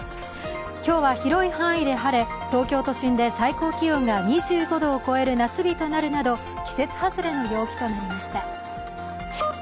今日は広い範囲で晴れ、東京都心で最高気温が２５度を超える夏日となるなど季節外れの陽気となりました。